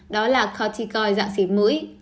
đó là corticoid dạng xịp mũi